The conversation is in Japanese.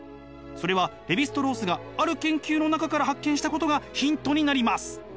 それはレヴィ＝ストロースがある研究の中から発見したことがヒントになります。